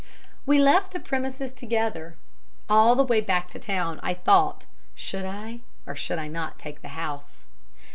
We left the premises together. All the way back to the town I thought should I, or should I not, take the house?